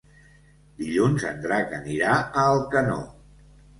Dilluns en Drac anirà a Alcanó.